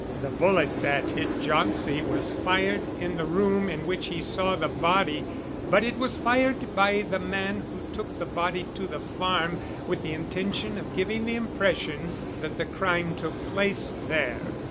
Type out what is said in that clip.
The bullet that hit Jauncey was fired in the room in which we saw the body, but it was fired by the man who took the body to the farm, with the intention of giving the impression that the crime took place there.